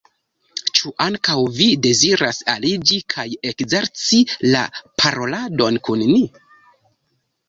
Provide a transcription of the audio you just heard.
Ĉu ankaŭ vi deziras aliĝi kaj ekzerci la paroladon kun ni?